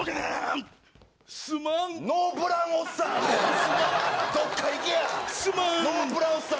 すまん。